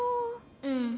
うん。